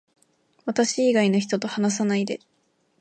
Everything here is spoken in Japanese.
私以外の人と話さないで